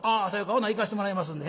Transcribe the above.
ほな行かしてもらいますんで」。